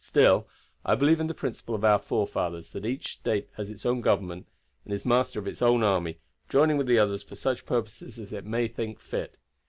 Still, I believe in the principle of our forefathers, that each State has its own government and is master of its own army, joining with the others for such purposes as it may think fit.